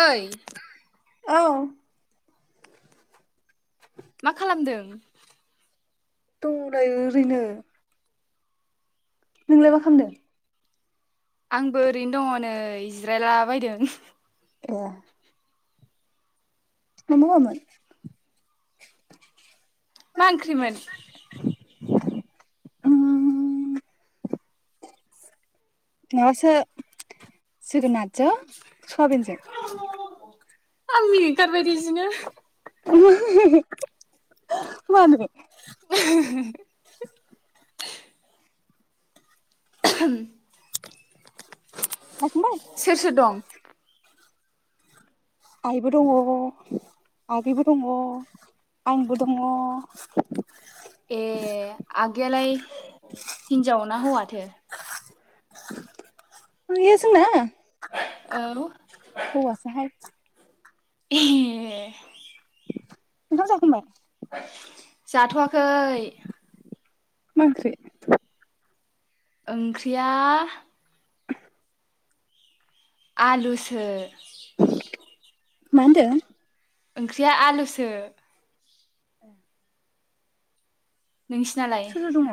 ओइ। औ। मा खालामदों? दंनै ओरैनो। नोंलाय मा खालामदों? आंबो ओरैनो दङ नै जिरायला बायदों। अ मा मावामोन मा ओंख्रिमोन [inaudible] [inaudible] ना सो जोगोनारजो आं मिनिनो ओंखारबाय जिनो मानो [inaudible] [inaudible] जाखांबाय सोर सोर दं आइबो दङ आगैबो दङ आंबो दङ। ए आगैयालाय हिनजाव ना हौवाथो [inaudible] औ [unintelligible] हौवासोहाय। ए ओंखाम जाखांबाय? जाथ'वाखै। मा ओंख्रि? ओंख्रिया आलु सो। मा होन्दों? ओंख्रिया आलुसो। ए नोंसिनालाय? सोर सोर दङ?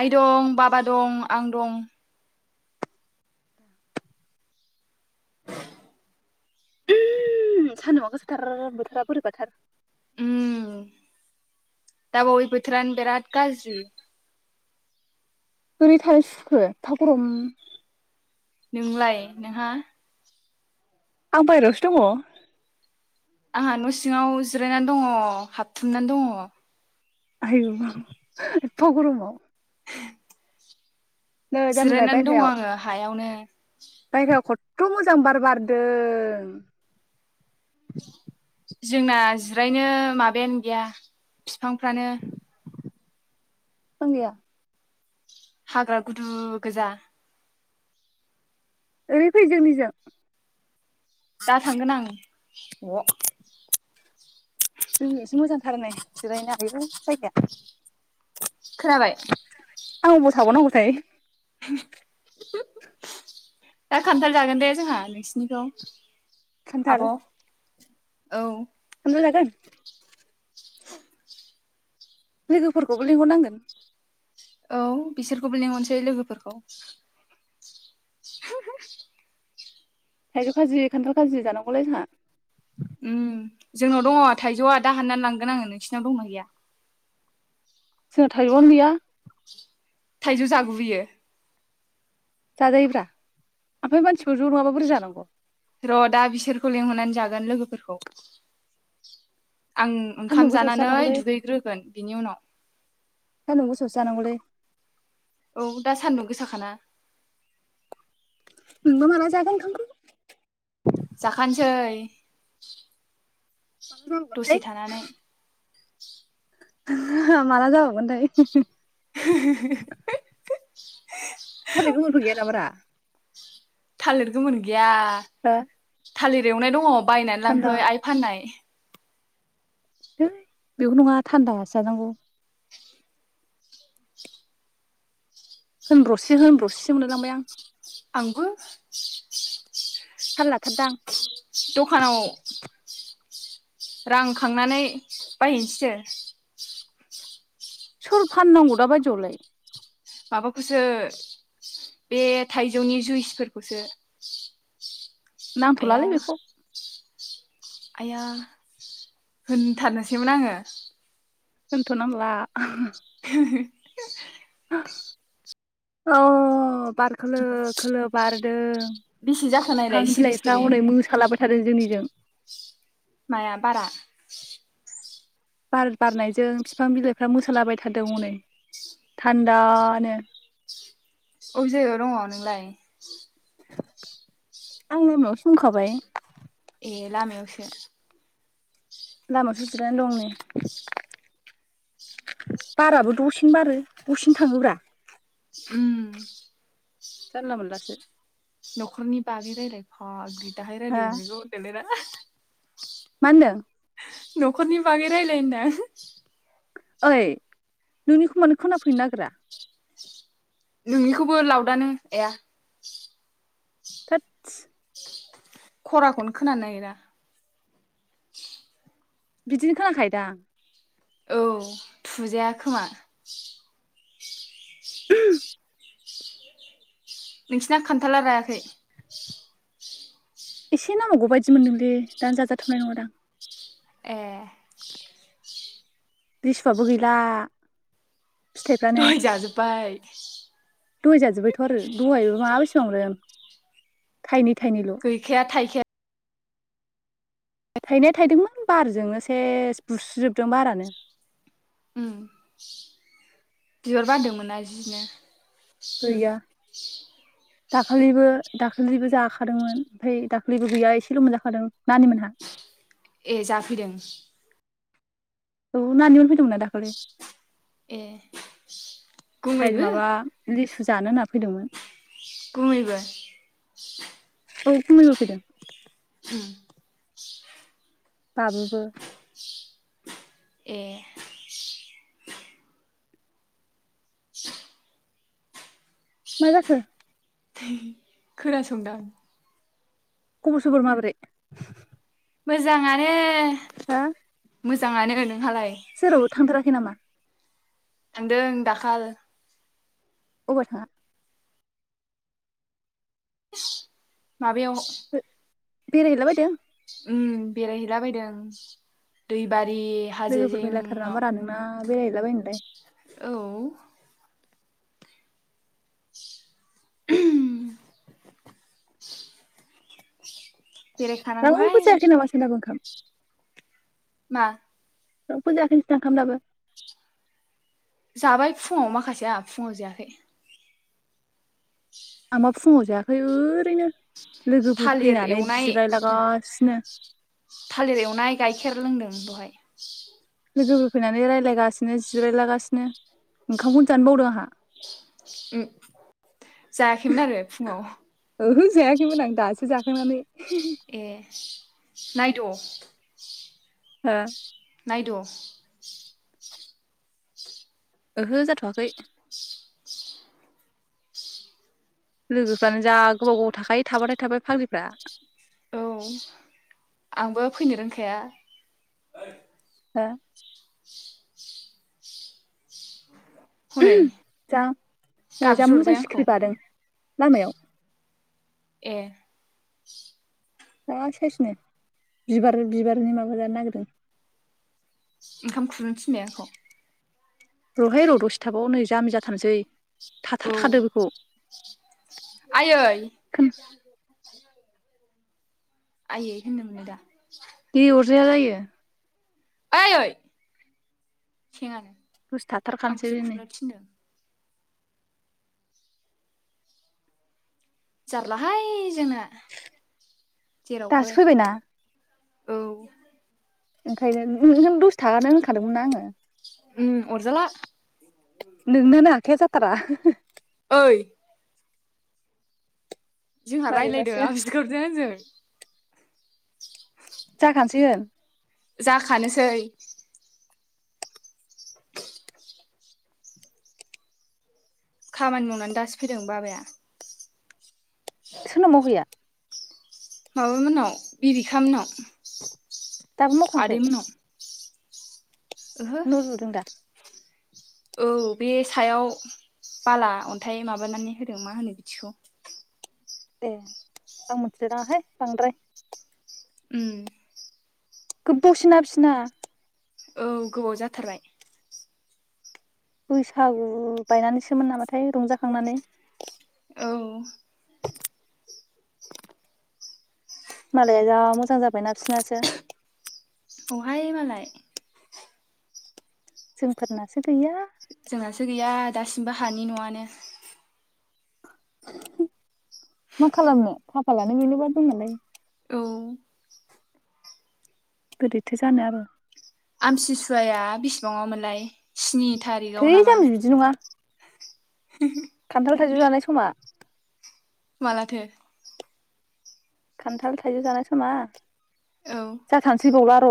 आइ दं बाबा दं आं दं। सानदुंआ गोसाथार बोथोरा बोरैबाथार। दा बावै बोथोरानो बेराद गाज्रि। बोरै थानो सुखुयो एफ्फा गरम। नोंलाय नोंहा? आं बाहेरावसो दङ। आंहा न' सिङाव जिरायनानै दङ हाबथुमनानै दङ। आयौ एफ्फा गरमाव? [inaudible] नै जामबिलाय जिरायनानै दङ बायह्रायाव आङो हायावनो। थ' मोजां बार बारदों। जोंना जिरायनो माबायानो गैया फिफांफ्रानो फां गैया? हाग्रा गुदु गोजा ओरै फै जोंनिजों दा थांगोन आं अ जोंनियासे मोजांथार नै जिरायनो आयौ जायगाया। खोनाबाय? आं अबाव थाबावनांगौथाय? [inaudible] दा खान्थाल जागोन दे जोंहा नोंसिनिखौ आब' खान्थाल औ [unintelligible] जागोन [inaudible] लोगोफोरखौबो लिंहरनांगोन औ बिसोरखौबो लिंहरनोसै लोगोफोरखौ थायजौ खाजि खान्थाल खाजि जानांगौलाय जोंहा उम जोंनाव दङ थाइजौआ दा हाननानै लांगोन आङो नोंसिनाव दंना गैया जोङा थाइजौ आनो गैया थाइजौ [unintelligible] जाजायोब्रा ओमफ्राय मानसिफोर ज नङाबा बोरै जानांगौ र दा बिसोरखौ लेंहरनानै जागोन लोगोफोरखौ आं सान्दुं ओंखाम गोसायावसो जानानै जानांगौलै दुगैग्रोगोन बिनि उनाव सान्दुं गोसायावसो जानांगौलै औ दा सान्दुं गोसाखाना नोंबा माला जागोन ओंखामखौ जाखा नोसै माला दसे जाबावगोनथाय थानानै माला जाबाव [unintelligible] [inaudible] थालिर गोमोनफोर गैया नामा रा थालिर गोमोन गैया हो गैया थालिर [unintelligible] दङ बायनानै थान्दा लांफै आइ फाननाय [unintelligible] नङा थान्दासो जानांगौ होनब्रसि होनब्रसिसो मोनलाय लांबाय आं [unintelligible] थाल लाथारदांं दखानाव रां खांनानै बायहैनोसै [unintelligible] सोर फाननांगौ दा बायदिआव लाय माबाखौसो बे थाइजौनि जुइसफोरखौसो आया नांथ'लालै बेखौ आइया होनथारनोसैमोन आङो होनथनांला [unintelligible] [unintelligible] बार खोलो खोलो बारदों बेसे जाखो नायलाय बिफां सिरि बिलाइफ्रा सिरि हनै मोसालाबाय थादों जोंनिजों माया बारा बार बारनायजों बिफां बिलाइफ्रा मोसालाबाय थादों हनै थान्दानो अबे जायगायाव दङ नोंलाय आंङो लामायावसो दं होनखाबाय ए लामयावसो लामायावसो जिरनानै दं नै बाराबो दसेनो बारो दसेनो थाङोब्रा उम जारला मोनलासो न'खरनि बागै रायलाय फाग्लि दाहाय हा रायलायगोन बेखौ होनदो‌ लाय रा [unintelligible] मा होनदों न'खरनि बागै रायलाय होनदां ओइ नोंनिखौ मानो खोनाफैनो नागिरा नोंनिखौबो लावदानो आइया थोदस। खराखौनो खोनानो नागिरा। बिदिनो खोना खायोदां। औ थुजाया खोमा। नोंसिना खान्थाला रायाखै? एसे नांबावगौ बायदि मोनदोंलै दानो जाजाथनाय नङादां। ए लिसुआबो गैला। दहै जाजोबबाय। दहै जाजोबबायथ आरो दहायबो मा [unintelligible] गैखाया थाइखाया थाइनाया थाइदोंमोन बारजोंनो सेस बुस्रिजोबदों बारानो। उम बिबार बारदोंमोनना जिनो। गैया दाखालिबो दाखालिबो जाखादोंमोन ओमफ्राय दाखालिबो गैया एसेल मोनजाखादों नानि मोनहा। ए जाफैदों औ नानिमोन फैदोंमोनना दाखालि? ए गुमैबो माबा लिसु जानो होनना फैदोंमोन। गुमैबो? औ गुमैबो फैदों। उम बाबुबो। ए [inaudible] मा जाखो? खोना संदां। खबर सबर माब्रै? मोजाङानो। हा? मोजाङानो होन जेरावबो थांथाराखै नामा? थांदों दाखाल अबाव थाङा? माबायाव बेराय हैलाबायदों? उम बेराय हैलाबायदों दै बा [unintelligible] हाजो लोगोफोर मेरलाथार नामा जिङाव। रा नोंना बेरायहैलाबायनोलाय। औ [inaudible] बेरायखानांगौहाय रावबो जायाखै नामा सानैनाबो ओंखाम मा? रावबो जायाखै [unintelligible] दाबो जाबाय फुङाव माखासेया आङा फुङाव जायाखै। आंबा फुङाव जायाखै ओरैनो। लोगोफोर थालिर फैनानै एवनाय जिरायला गासिनो। थालिर एवनाय गाइखेर लोंदों बहाय। लोगोफोर फैनानै रायलायगासिनो जिरायलागासिनो ओंखामखौनो जानो बावदों आंहा। जायाखैमोन आरो फुङाव? ओहो जायाखैमोन आं दासो जाखांनानै ए नायद' हो नायद' ओहो जाथ'वाखै लोगोफ्रानो जा गोबाव गोबाव थाखायो थाबाथाय थाबाय फाग्लिफ्रा। औ आंबो फैनो रोंखाया। हो हनै जा जा गाबज्रिहरबाय मोजां आंखौ सिखिरि बादों। लामायाव एह जा साइसनो बिबार बिबारनि माबा जानो नागिरदों। ओंखाम खुरनो थिननाय आंखौ र'हाय र' दसे थाबाव नै जामि जाथारसै। औ आयै [inaudible] खोन आइयै होननो मोनो दा? दे अरजाया जायो। ओइ आइयै सेङानो दसे थाथारखानोसै आंखौसो [unintelligible] नै खुरनो थिनदों जारला हाय जोंना जेरावबो दासो फैबायना औ ओंखायनो नों दस थाखानो होनखादोंमोन ना आङो। उम अरजाला नोंनानो आखाया जाथारा ओय जोंहा रायज्लायदों मारैबासो आसिगरजों आजों जाखान सिगोन जाखानोसै खामानि मावनानै दासो फैदों बाबाया। सोरनाव मावहैया? माबामोननाव बिरिखा मोननाव। दाबो मावखाङाखै? ओहो न' लुदों दा? औ बे सायाव बाला अन्थाइ माबानानै होदों मा होनो बिदिखौ ए आं मिथिलाय लाङाहाय बांद्राय उम गोबाव सिना बिसिना औ गोबाव जाथारबाय। बैसागु बायनानैसोमोन नामाथाय रंजाखांनानै औ मालाया जा मोजां जाबायना बिसिनासो। [unintelligible] मालाय जोंफोरनासो गैया जोंनासो गैया दासिमबो हानि न'आनो मा खालामनो खाफालानो बेनोबा जोंनालाय। औ बोरैथो जानो आरो आमसिसुवाया बिसिबाङाव मोनलाय स्नि थारिखआव थै नामा जामबि बिदि नङा खान्थाल [inaudible] थाइजौ जानाय समा? मालाथो? खान्थाल थाइजौ जानाय समा? औ जाथारनोसै बावला र'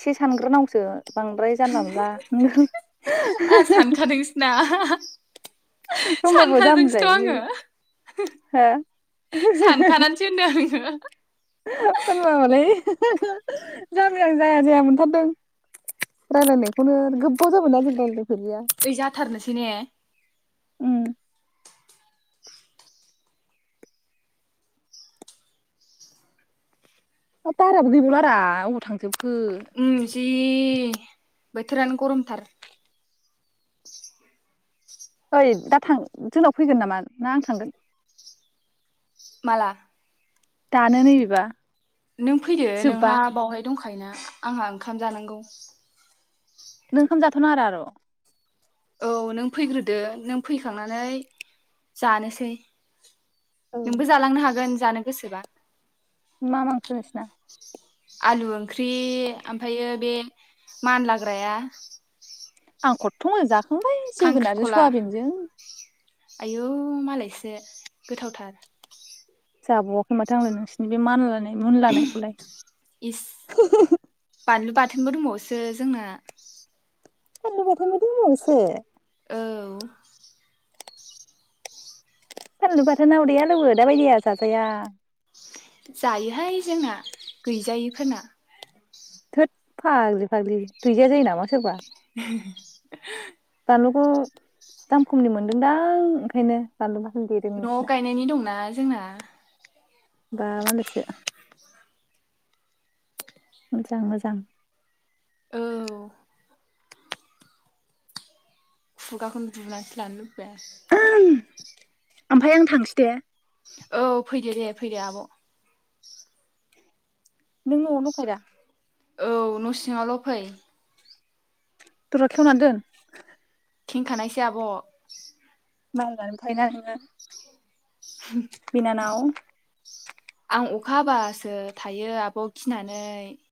एसे सानग्रोनांगौसो। बांद्राय जानला मोनला नो आं सानखादोंसोना [unintelligible] सानखादोंसोथ' जाम्बिलाय आङो बैयो हो सानखानानैसै होनदों आं [inaudible] होमबामालाय जामबि आं जाया जाया मोनथारदों रायलायनायखौनो गोबाव जाबायमोन ना जों रायलायैआ ओइ जाथारनोसै ने उम बाराबो गैबावलारा अबाव थांजोबखो ओम जि बोथोरानो गरमथार ओइ दा थां जोंनाव फैगोन नामा ना आं थांगोन माला दानो नै बिबा नों फैदो नोंहा बावहाय दंखायो हायना आंहा ओंखाम जानांगौ नों ओंखाम जाथ'नाआ रां र' औ नों फैग्रोदो नों फैखांनानै जानोसै नोंबो जालांनो हागोन जानो गोसोबा मा मा ओंख्रै नोंसिना आलु ओंख्रि ओमफायो बे मानलाग्राया आं खथथ' मोजां जा खांबाय जोगोनारजों खांख्रिखला सयाबिनजों आयौ मालायसो गोथावथार जाबावाखै माथो आंलाय नोंसिनि बे मानलानाय मुनलानायखौलाय [unintelligible] थोनबो दंबावोसो जोंना [unintelligible] औ फानलु बाथोना उदै आलौवो दाबायदियाव जाजाया जायोहाय जोंना गैजायैफोरना थोद फाग्लि फाग्लि गैजाया जायो नामा सोरबा [unintelligible] बानलुखौ दाम खमनि मोनदोंदां ओंखायनो बानलु बा न'आव गायनायनि दंना जोंना बा मालायसो मोजां मोजां औ खुगाखौनो बुनानैसो लानो लु बेस ओमफ्राय आं थांनोसै दे औ फैदो दे फैदो आब' नों न'आवनो दंखायोदा औ दरा खेवनानै दोन खेंखानायसो आब' मारिनानैबो थायोना नोङो बिनानाव आं अखा हाबासो थायो आब' गिनानै